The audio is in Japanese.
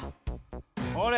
ほれ